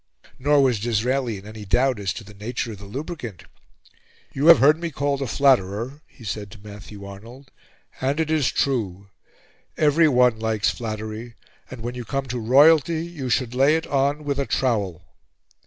Nor was Disraeli in any doubt as to the nature of the lubricant. "You have heard me called a flatterer," he said to Matthew Arnold, "and it is true. Everyone likes flattery, and when you come to royalty you should lay it on with a trowel."